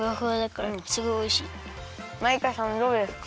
マイカさんどうですか？